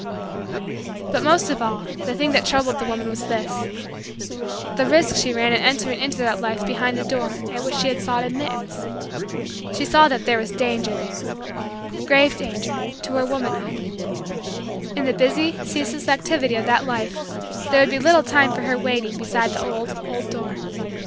But most of all, the thing that troubled the woman was this: the risk she ran in entering into that life behind the door at which she had sought admittance. She saw that there was danger there grave danger to her womanhood. In the busy, ceaseless, activity of that life there would be little time for her waiting beside the old, old, door.